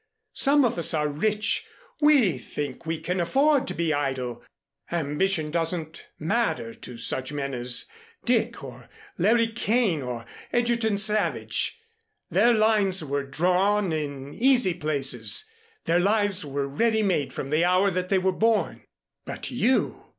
Some of us are rich. We think we can afford to be idle. Ambition doesn't matter to such men as Dick, or Larry Kane, or Egerton Savage. Their lines were drawn in easy places, their lives were ready made from the hour that they were born. But you!